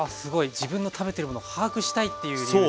自分の食べてるもの把握したいっていう理由で。